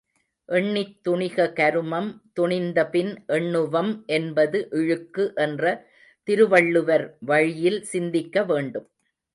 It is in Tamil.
எண்ணித் துணிக கருமம் துணிந்தபின் எண்ணுவம் என்பது இழுக்கு என்ற திருவள்ளுவர் வழியில் சிந்திக்க வேண்டும்.